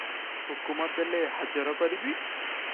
ହୁକୁମ ଦେଲେ ହାଜର କରିବି ।"